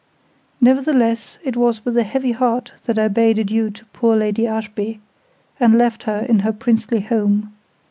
Nevertheless, it was with a heavy heart that I bade adieu to poor Lady Ashby, and left her in her princely home.